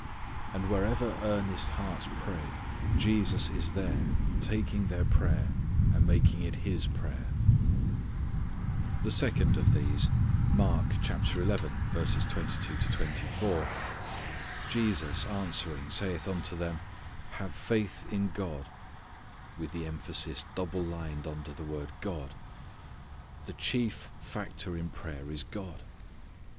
And wherever earnest hearts pray Jesus is there taking their prayer and making it His prayer. The second of these: Mark 11:22 24, "Jesus answering saith unto them, have faith in God" with the emphasis double lined under the word "God." The chief factor in prayer is God.